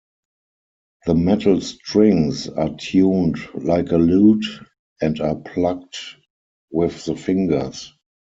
The metal strings are tuned like a lute and are plucked with the fingers.